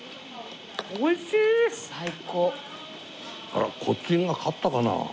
あっこっちが勝ったかな？